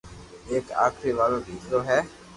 ايڪ آخري وارو ديڪرو ھي